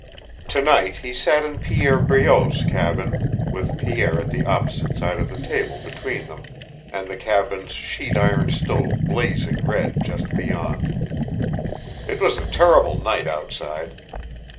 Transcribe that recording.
To night he sat in Pierre Breault's cabin, with Pierre at the opposite side of the table between them, and the cabin's sheet iron stove blazing red just beyond. It was a terrible night outside.